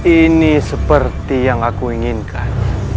ini seperti yang aku inginkan